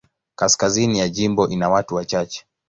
Kaskazini ya jimbo ina watu wachache.